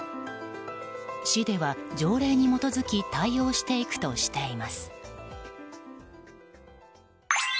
市では条例に基づき対応していくとしています。